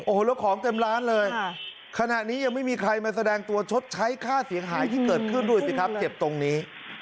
โอ้โหแล้วของเต็มร้านเลยขณะนี้ยังไม่มีใครมาแสดงตัวชดใช้ค่าเสียหายที่เกิดขึ้นด้วยสิครับเจ็บตรงนี้